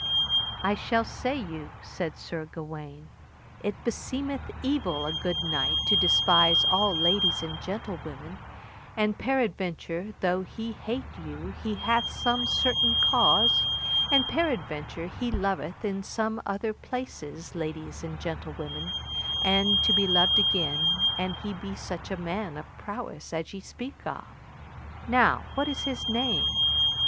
I shall say you, said Sir Gawaine, it beseemeth evil a good knight to despise all ladies and gentlewomen, and peradventure though he hate you he hath some certain cause, and peradventure he loveth in some other places ladies and gentlewomen, and to be loved again, an he be such a man of prowess as ye speak of. Now, what is his name?